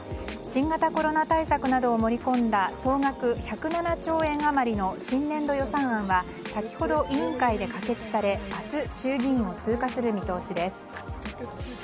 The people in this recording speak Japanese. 新型コロナ対策などを盛り込んだ総額１０７兆円余りの新年度予算案は先ほど、委員会で可決され明日、衆議院を通過する見通しです。